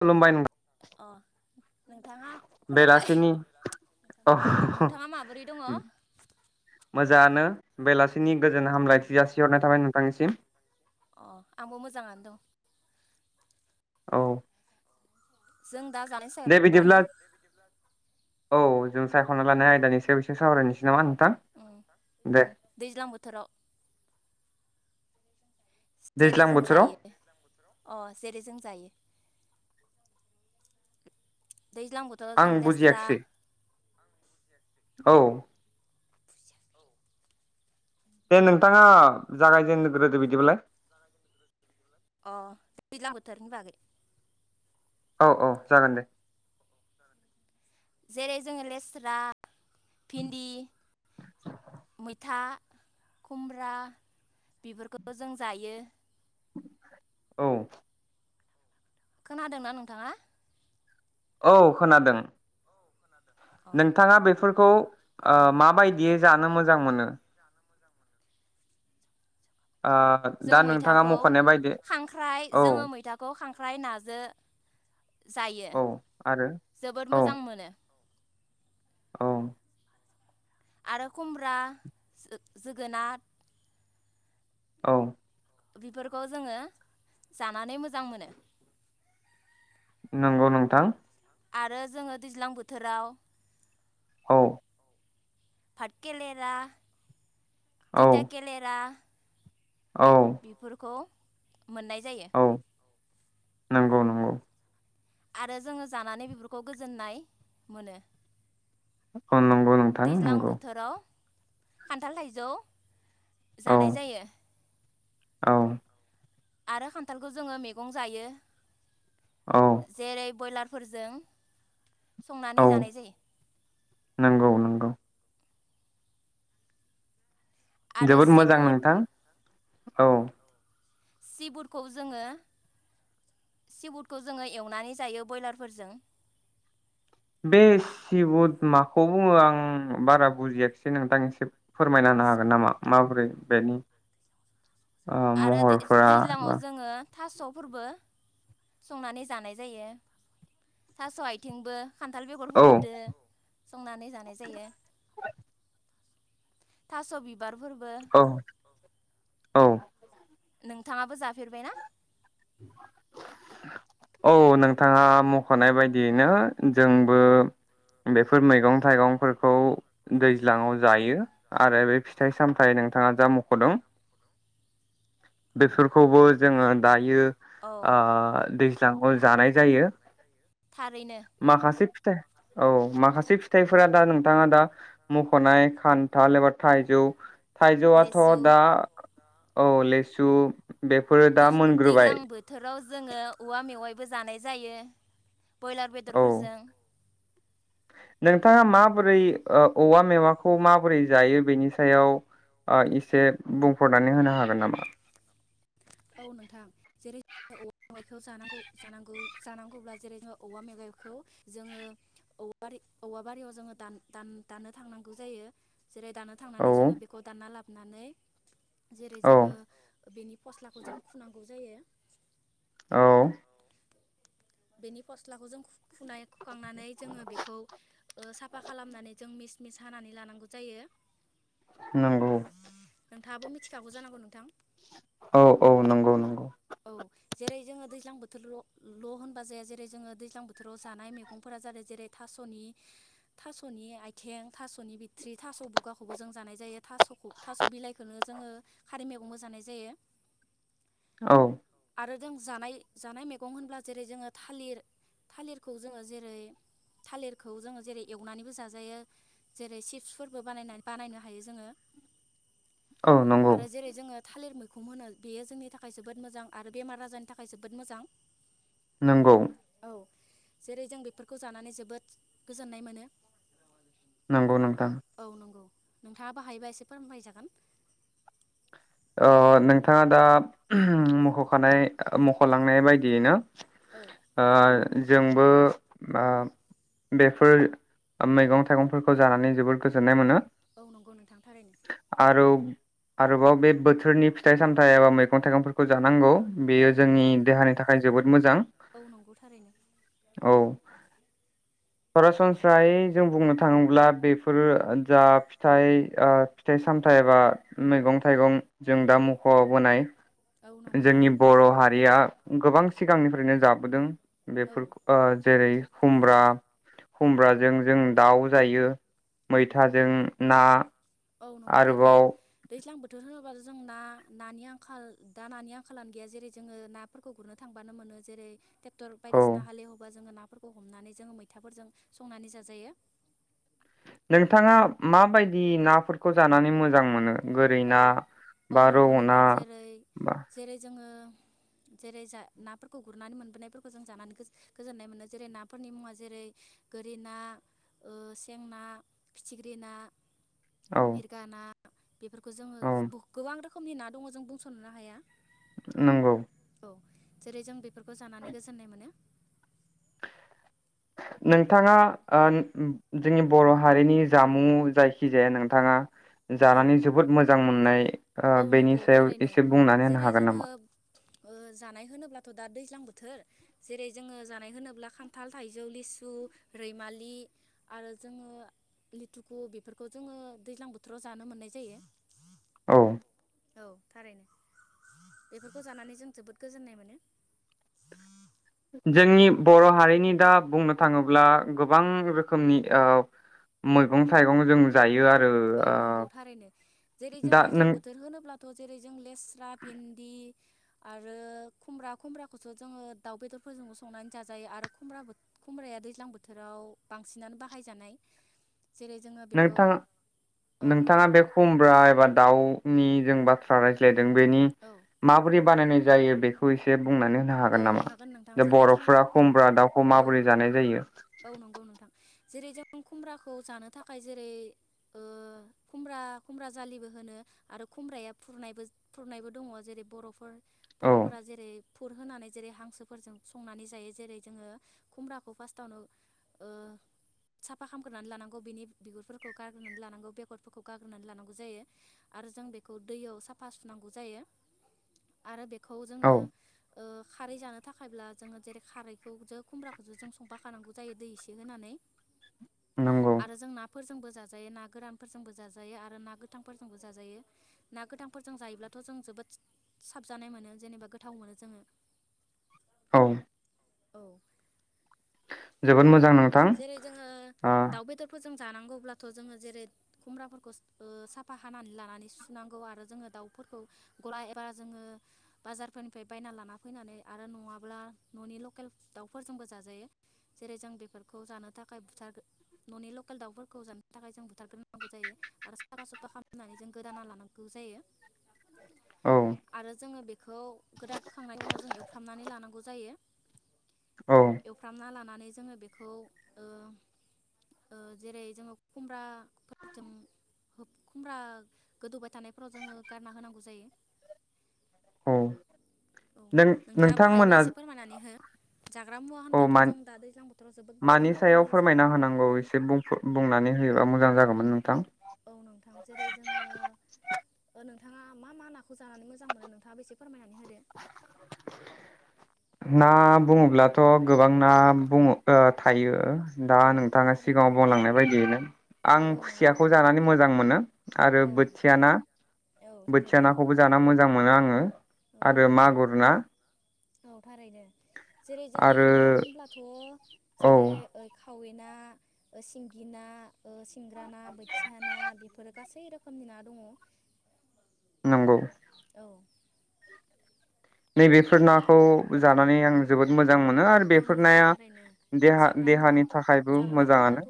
खुलुमबाय नों अ नोंथाङा खुलुमबाय बेलासिनि औ नोंथाङा माबोरै दङ? मोजाआनो। बेलासिनि गोजोन हामलायथि जासिहरनाय थाबाय नोंथांनिसिम। आंबो मोजाङानो दं औ। जों दा जानाय सायाव दे बिदिब्ला सावरायनि। औ जों सायख'ना लानाय आयदानि सायाव एसे सावरायनोसै नामा नोंथां उ दे उ दैज्लां बोथोराव। जेरै दैज्लां जों बोथोराव जायो अ जेरै जों जायो। दैज्लां बोथोराव आं जों लेस्रा बुजियाखसै। औ। दे नोंथाङा जागायजेनग्रोदो बिदिब्ला। अ दैज्लां बोथोरनि बागै। औ औ जागोन दे। जेरै जोङो लेस्रा भिन्दि मैथा खुमब्रा बेफोरखौ जों जायो। औ। खोनादोंना नोंथाङा? औ खोनादों। अ नोंथाङा बेफोर खौ ओ माबायदियै जानो मोजां मोनो? ओ दा जों नोंथाङा मैथाखौ मख'नाय बायदि खांख्राइ औ जोङो मैथाखौ खांख ख्राय नाजो जायो औ आरो जोबोद औ मोजां मोनो। औ। आरो खुमब्रा जोगोनार औ। बेफोरखौ जोङो जानानै मोजां मोनो। नंगौ नोंथां। आरो जोङो दैज्लां बोथोराव औ। भातकेलेरा औ तिथा केेलेरा औ। बेफोरखौ मोननाय जायो। औ नंगौ नंगौ। आरो जोङो जानानै बेफोरखौ गोजोननाय मोनो। अ नंगौ नोंथां दैज्लां नंगौ। बोथोराव खान्थाल, थाइजौ औ जानाय जायो। औ आरो खान्थालखौ जोङो मैगं जायो। औ जेरै ब्रयलार फोरजों संनानै औ जानाय जायो। नंगौ नंगौ आरो जोबोद मोजां सिबुट नोंथां औ। सिबुटखौ जोङो सिबुटखौ जोङो एवनानै जायो ब्रयलारफोरजों। बे सिबुद माखौ बुङो आं बारा बुजियाखिसै नोंथां एसे फोरमायना होनो हागोन नामा माबोरै बेनि ओ आरो महरफोरा दैज्लाङाव एबा जोङो। थास'फोरबो संनानै जानाय जायो थास' आथिंबो खान्थाल बेगर औ फोरदो संनानै जानाय जायो। थास' बि बार फोरबो औ औ नोंथाङाबो जाफेरबायना? औ नोंथाङा मख'नाय बायदियैनो जोंबो बेफोर मैगं थाइगंफोरखौ दैज्लाङाव जायो आरो बे फिथाइ सामथायाइ नोंथाङा जा मख'दों। बेफोरखौबो जोङो दायो औ आ दै ज्लाङाव जानाय जायो। थारैनो माखासे औ माखासे फिथाइफोरा दा नोंथाङा दा मख'नाय खान्थाल एबा थाइजौ थाइजौआथ' लेसु दा औ ले सु बेफोरो दा दुज मोनग्रोबाय दैज्लां बोथोराव जोङो औवा मेवाइबो जानाय जायो। बयलार औ बेदरफोरजों नोंथाङा माबोरै ओ औवा मेवाखौ माबोरै जायो बेनि सायाव ओ इसे बुंफोरनानै होनो हागोन नामा। औ नोंथां जेरै औवा मेवायखौ जानांगौ जानांगौ जानांगौब्ला जेरै जोङो औवा मेवायखौ जोङो औवा बारि औवा बारियाव जोङो दान-दान-दानो थांनांगौ जायो। जेरै दानो थांनानै औ जोङो बेखौ दानना लाब नानै जेरै औ जोङो बेनि फस्ला खौ जों खुनांगौ जायो। औ बेनि फस्लाखौ जों खु खुनाय खुखांनानै जोङो बेखौ ओ साफा खालामनानै जों मिस मिस हानानै लानांगौ जायो। नंगौ। नोंथाङाबो मिथिखागौ जानांगौ नोंथां। औ-औ नंगौ-नंगौ। औ जेरै जोङो दैज्लां बोथोर' ल' होनबा जाया जेरै जोङो दैज्लां बोथोराव जानाय मैगंफोरा जादों जेरै थास'नि थास'नि आइथिं थास'नि बिथ्रि थास' बुगाखौबो जों जानाय जायो थास'खौ थास' बिलाइखौनो जोङो खारै मैगंबो जानाय जायो। औ आरो जों जानाय जानाय मैगं होनब्ला जेरै जोङो थालिर थालिरखौ जोङो जेरै थालिरखौ जोङो जेरै एवनानैबो जाजायो जेरै चिप्सफोरबो बानायना बानायनो हायो जोङो औ नंगौ आरो जेरै जोङो थालिर मैखम होनो बेयो जोंनि थाखाय जोब बोद मोजां आरो बेमार आजारनि थाखाय जोबोद मोजां। नोंगौ। औ जेरै जों बेफोरखौ जानानै जोबोद गोजोननाय मोनो। नंगौ नोंथां। नोंथाङाबो हायोबा एसे फोरमाय जागोन। ओ नोंथाङा दा मुख'खानाय ओ मुख'लांनाय बायदियैनो औ ओ जोंबो बेफोर मैगं थाइगंफोरखौ जानानै जोबोद गोजोननाय मोनो। औ नंगौ नोंथां थारैनो। आरो आरोबाव बे बोथोरनि फिथाइ सामथाइ एबा मैगं थाइगंफोरखौ जानांगौ। औ बेयो नंगौ जोंनि थारैनो देहानि थाखाय जोबोद मोजां औ नंगौ थारैनो औ। सरासनस्रायै जों बुंनो थाङोब्ला बेफोरो जा फिथाइ ओ फिथाइ सामथाइबा मैगं थाइगं। जों दा मुख'बोनाय औ नंगौ जोंनि थारैनो बर' हारिया गोबां सिगांनिफ्रायनो जाबोदों औ बेफोरखौ जेरै खुमब्रा खुमब्रा जों जों दाउ जायो मैथाजों ना। औ नंगौ थारैनो आरोबाव दैज्लां बोथोर होनोब्ला बेफोर जों ना नानि आंखाल दा नानि आंखालानो गैया जेरै जोङो नाफोरखौ गुरनो थांबानो मोनो जेरै टेक्टर औ बायदिसिना हालेवबा जोंओ ना नाफोरखौ हमनानै जोङो मैथाफोरजों संनानै जाजायो। नोंथाङा माबायदि नाफोरखौ जानानै मोजां मोनो। गोरै औ ना औ बा रौ नंगौ ना नोंथां जेरै बा जेरै जोङो। जेरै जा नाफोरखौ गुरनानै मोनबोनायफोरखौ जों जानानै गोजोननाय मोनो जेरै नाफोरनि मुङा जेरै गोरि ना सें ना फिथिख्रि ना औ मिरगाना बेफोरखौ जोङो औ गोबां रोखोमनि रोखोमनि ना दङ जों बुंस'नोनो हाया। नंगौ। औ जेरै जों बे बेफोरखौ जानानै गोजोननाय मोनो। नोंथाङा जोंनि बर' हारिनि जामुं जायखिजाया नोंथाङा। औ जानानै जोबोद मोजां मोनो नाय। औ बेनि नंगौ सायाव थारैनो एसे बुंनानै होनो जेरै हागोन जोङो नामा। जानाय होनोब्लाथ' दा दैज्लां बोथोर जेरै जोङो ओ जानाय होनोब्ला खान्थाल थाइजौ लिसु रैमालि आरो जोङो लिथुखु बेफोरखौ जोङो दैज्लां बोथोराव जानो मोननाय जायो। औ। औ थारैनो बेफोरखौ जानानै जों जोबोद गोजोननाय मोनो। जोंनि बर' हारिनि दा बुंनो थाङोब्ला गोबां रोखोमनि ओ मैगं थाइगं जों जायो आरो। औ ओ नंगौ थारैनो जेरै जों दा दैज्लां नों बोथोर होनोब्लाथ' जेरै जों लेस्रा भिन्दि आरो खुमब्रा खुमब्राखौस' जोङो दाउ बेदरफोरजोंबो संनानै जाजायो आरो खुमब्राया दैज्लां बोथोराव बांसिनानो बाहायजानाय जेरै जोङो बेखौ नोंथाङा औ नोंथाङा नोंथां बे खुमब्रा एबा दाउ जों बाथ्रा रायज्लाय। बेनि औ माबोरै बानायनाय जायो बेखौ एसे बुंनानै होनो औ हागोन नामा नोंथां जे जेरै जोङो बरफ्रा खुमब्रा दाउखौ औ माबोरै जानाय जायो। औ नंगौ नोंथां जेरै जों खुमब्राखौ जानो थाखाय जेरै ओ खुमब्रा खुमब्रा जाालिबो होनो आरो खुमब्राया फुरनायबो फुरनायबो दङ जेरै बर'फोर औ बर'फोरा जेरै फुर होनानै जेरै हांसोफोरजों संनानै जायो जेरै जोङो खुमब्राखौ फासतावनो साफा खालामग्रोनानै लानांगौ बिनि बिगुरफोरखौ गारग्रोनानै लानांगौ बेगरफोरखौ गारग्रोनानै लानांगौ जायो आरो जों बेखौ दैयाव साफा सुनांगौ जायो आरो बे खौ औ जोङो ओ‌ खारै जानो थाखायब्ला जोङो जेरै खारैखौ जो खुमब्राखौ जो जों संफा खानांगौ जायो दै एसे होनानै नंगौ आरो जों ना फोरजोंबो जाजायो ना गोरानफोरजोंबो जाजायो आरो ना गोथांफोरजोंबो जाजायो ना गोथांफोरजों जायोब्लाथ‌ जों जोबोद साबजानाय मोनो जेनेबा गोथाव मोनो जोङो औ। औ। जोबोद मोजां नोंथां जेरै जोङो आं। दाउ बेदरफोरजों जानांगौब्लाथ जोङो जेरै खुमब्राफोरखौ साफा हानानै लानानै सुनांगौ आरो जोङो दाउफोरखौ गला एबा जोङो बाजारफोरनिफ्राय बायना लाना फैनानै आरो नङाब्ला ननि लकेल दाउफोरजोंबो जाजायो। जेरै जों बेफोरखौ जानो थाखाय बुथार ननि लकेल दाउफोरखौ जानो थाखाय जों बुथारग्रोनांगौ जायो आरो साफा सुफा खालामनानै जों गोदाना लानांगौ जायो। औ आरो जोङो बेखौ खौ गोदाोखांनायनि उनाव जों एवफ्रामनानै लानांगौ जायो। औ। एमफ्रामना लानानै जोङो बेखौ जेरै जोङो ओ‌ ओ जेरै जों खुमब्रा खुमब्रा गोदौबाय थानायफोराव जोङो गारना होनांगौ जायो। औ औ नों नोंथाङाबो हायोबा नोंथांमोना एसे फोरमायनानै हो जाग्रा मुवा औ होनबाथ‌जों दा दैज्लां बोथोराव जोबोत गोबां मानि सायाव रोखोमनि जाग्रा फोरमायना दङ। ओ मोजां जागौमोन नोंथां। औ नोंथां जेरै जोङो नोंथाङा ओ मा मा नाखौ जानानै मोजां मोनो नोंथाङा बेसे फोरमायनानै होदो ना बुङोब्लाथ गोबां ना बुङो ओ थायो। दा औ नोंथाङा थारैनो सिगाङाव बुंलांनाय बायदियैनो औ आं औ नंगौ खुसियाखौ जानानै मोजां मोनो आरो औ बोथिया ना औ बोथिया थारैनो नाखौबो जाना मोजां मोनो आङो। हो औ आरो मागुर ना औ थारैनो जेरै जोङो आरो ना होनब्लाथ औ जेरै ओ‌ खावै खावै ना सिंगि ना सिंग्रा ना बोथिया ना बेफोर गासै रोखोम रोखोमनि ना दङ नंगौ औ नैबेफोर नाखौ जानानै आं जोबोद मोजां मोनो आरो औ बेफोर नंगौ नाया थारैनो देहा जाग्रा मुवा देहानि थाखायबो जाग्रा मोजाङानो होनब्लाथ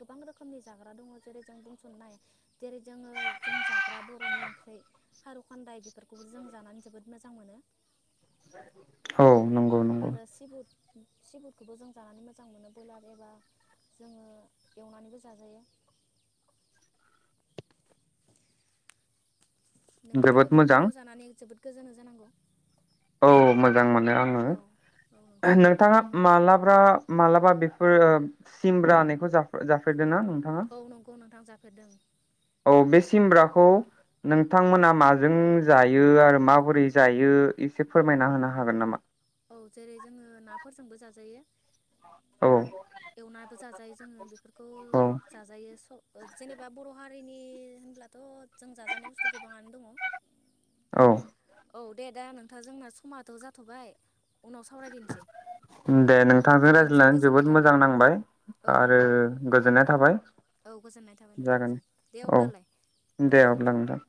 गोबां रोखोमनि जाग्रा दङ जेरै जों बुंसनो हायो जेरै जोङो जों जाग्रा बरनि ओंख्रि खारौखान्दाय बेफोरखौबो जों जानानै जोबोद मोजां मोनो औ नंगौ नंगौ आरो सिब सिबुखौबो जों जानानै मोजां मोनो ब्रयलार एबा जोङो एवनानैबो जाजायो नोंथाङाबो जोबोद मोजां बेफोरखौ जानानै जोबोद गोजानाव जानांगौ औ मोजां मोनो आङो औ औ नोंथां नोंथाङा उ मालाब्रा मालाबा बेफोर उ सिमब्रा जाफेर जाफेरदों औ नंगौ नोंथां जा होदों औ बे सिमब्राखौ नोंथांमोना माजों जायो आरो माबोरै जायो एसे फोरमायना होनो हागोन नामा औ जेरै जोङो नाफोरजोंबो जाजायो औ एवनाबो जाजायो जायो जों बेखौ औ जाजायो जेनेबा बर' हारि नि होनब्लाथ' जों जाजानाय बुस्थु गोबाङानो दङ औ औ दे दा नोंथाङा जोंना समाथ' जाथ'बाय उनाव सावरायदिनसै दे नोंथांजों रायज्लायनानै जोबोद थाबाय मोजां नांबाय औ आरो नोंथां गोजोननाय थाबाय औ गोजोननाय थाबाय जागोन नोंथांसिम दे औ अब्लालाय दे औ अब्ला नोंथां